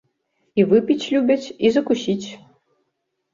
І выпіць любяць, і закусіць.